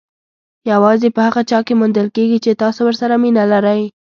یوازې په هغه چا کې موندل کېږي چې تاسو ورسره مینه لرئ.